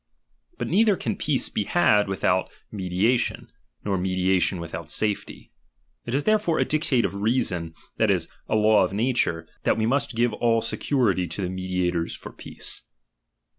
But neither can peace be had without mediation, nor mediation without safety. It is therefore a dictate of reason, that is, a law of nature, that we must give all security to the mediators for peace.